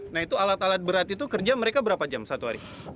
nah itu alat alat berat itu kerja mereka berapa jam satu hari